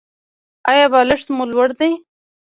ایا بالښت مو لوړ دی؟